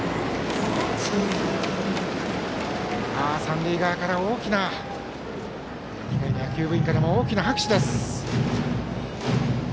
三塁側控えの野球部員から大きな拍手です。